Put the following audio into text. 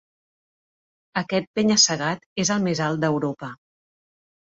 Aquest penya-segat és el més alt d'Europa.